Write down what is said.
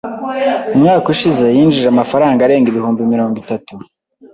Umwaka ushize yinjije amafaranga arenga ibihumbi mirongo itatu.